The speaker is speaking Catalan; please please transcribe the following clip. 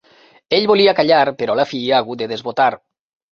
Ell volia callar, però a la fi ha hagut de desbotar.